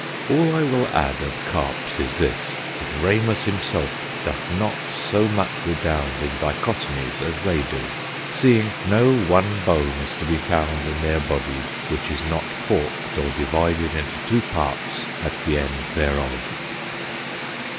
All I will adde of Carps is this, that Ramus himself doth not so much redound in Dichotomies as they do; seeing no one bone is to be found in their body, which is not forked or divided into two parts at the end thereof."